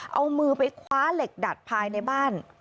เอามือไปคว้าเหล็กดัดภายในบ้าน